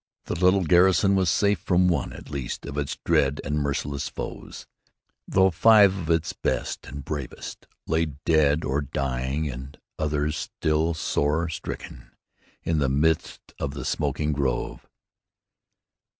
The little garrison was safe from one, at least, of its dread and merciless foes, though five of its best and bravest lay dead or dying, and others still sore stricken, in the midst of the smoking grove.